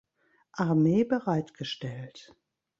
Armee bereitgestellt.